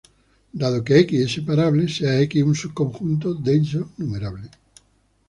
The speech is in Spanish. Dado que "X" es separable, sea {"x"} un subconjunto denso numerable.